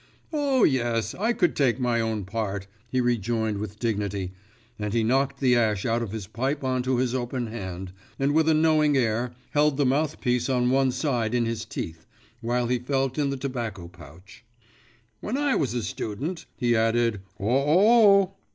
'Oh yes, I could take my own part!' he rejoined with dignity; and he knocked the ash out of his pipe on to his open hand, and, with a knowing air, held the mouth piece on one side in his teeth, while he felt in the tobacco pouch. 'When I was a student,' he added, 'o oh oh!